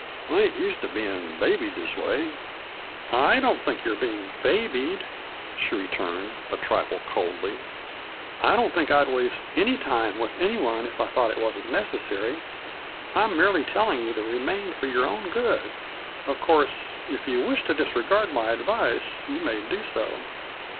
I ain't used to bein' babied this way." "I don't think you are being 'babied,'" she returned a trifle coldly. "I don't think that I would waste any time with anyone if I thought it wasn't necessary. I am merely telling you to remain for your own good. Of course, if you wish to disregard my advice you may do so."